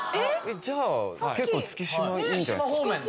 じゃあ結構月島いいんじゃないですか。